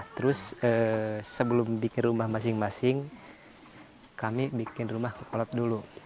terus sebelum bikin rumah masing masing kami bikin rumah kokolot dulu